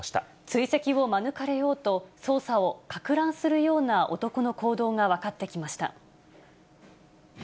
追跡を免れようと、捜査をかく乱するような男の行動が分かってきました。